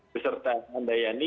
beserta anda yani